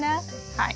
はい。